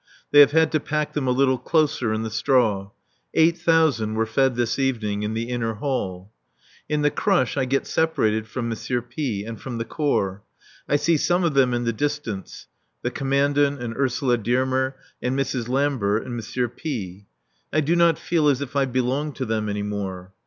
They have had to pack them a little closer in the straw. Eight thousand were fed this evening in the inner hall. In the crush I get separated from M. P and from the Corps. I see some of them in the distance, the Commandant and Ursula Dearmer and Mrs. Lambert and M. P . I do not feel as if I belonged to them any more.